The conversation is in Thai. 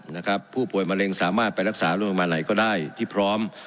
นะครับผู้ป่วยมะเร็งสามารถไปรักษาโรงพยาบาลไหนก็ได้ที่พร้อม